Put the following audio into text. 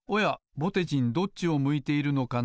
ぼてじんどっちを向いているのかな？